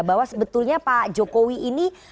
bahwa sebetulnya pak jokowi ini